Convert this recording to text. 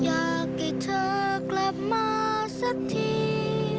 อยากให้เธอกลับมาสักที